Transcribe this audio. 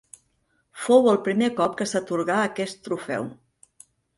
Fou el primer cop que s'atorgà aquest trofeu.